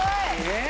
えっ？